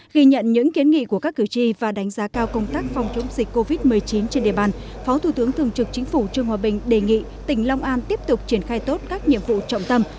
ghi nhận những kiến nghị của các cử tri và đánh giá cao công tác phòng chống dịch covid một mươi chín trên địa bàn phó thủ tướng thường trực chính phủ trương hòa bình đề nghị tỉnh long an tiếp tục triển khai tốt các nhiệm vụ trọng tâm